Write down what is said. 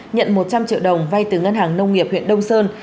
nhận một trăm linh triệu đồng vay từ ngân hàng nông nghiệp huyện đông sơn